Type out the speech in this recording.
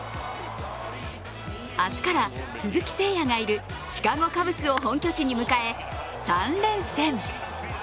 明日から鈴木誠也がいるシカゴ・カブスを本拠地に迎え３連戦。